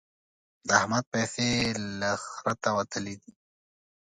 د احمد پيسې له خرته وتلې دي.